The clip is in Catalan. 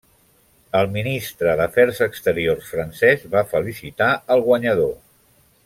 El Ministre d'afers exteriors francès va felicitar el guanyador.